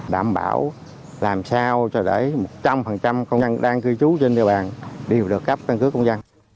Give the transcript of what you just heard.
đảm bảo làm sao cho để một trăm linh công nhân đang cư trú trên địa bàn đều được cấp căn cứ công dân